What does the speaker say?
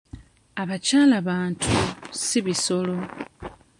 Abyakala bantu, si bisolo.